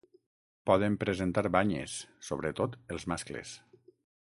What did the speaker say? Poden presentar banyes, sobretot els mascles.